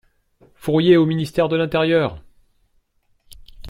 Fourier au ministère de l'Intérieur!